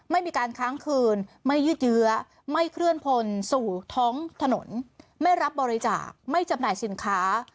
ไม่มีการค้างคืนไม่ยืดเยื้อไม่เคลื่อนพลสู่ท้องถนนไม่รับบริจาคไม่จำหน่ายสินค้า